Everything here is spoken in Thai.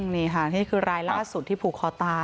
นี่ค่ะนี่คือรายล่าสุดที่ผูกคอตาย